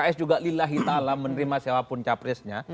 pks juga lillahi ta'ala menerima siapapun capresnya